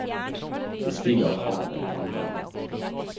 Det stig av hav eit alveland